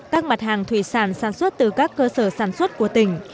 các mặt hàng thủy sản sản xuất từ các cơ sở sản xuất của tỉnh